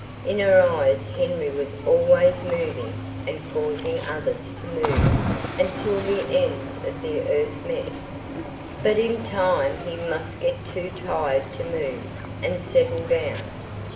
In her eyes Henry was always moving and causing others to move, until the ends of the earth met. But in time he must get too tired to move, and settle down.